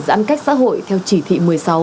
giãn cách xã hội theo chỉ thị một mươi sáu